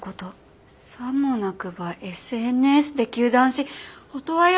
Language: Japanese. さもなくばＳＮＳで糾弾しオトワヤ